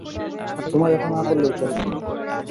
তোমার এটা না করলেও চলবে।